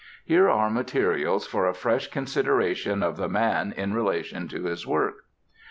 Here are materials for a fresh consideration of the man in relation to his work.